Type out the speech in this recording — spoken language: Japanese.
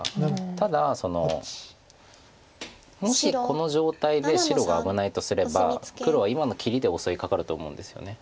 ただもしこの状態で白が危ないとすれば黒は今の切りで襲いかかると思うんですよね。